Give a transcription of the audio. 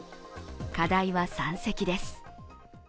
課題は山積です。